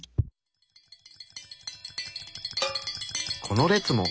この列も！